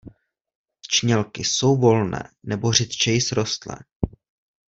Čnělky jsou volné nebo řidčeji srostlé.